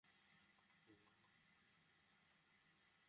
আর আমরা কোনো উপহার আনব না।